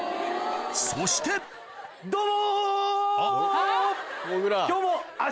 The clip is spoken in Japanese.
そしてどうも！